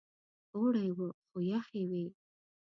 اوړی و خو یخې وې.